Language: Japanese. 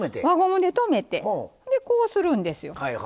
輪ゴムで留めてこうするんですよ。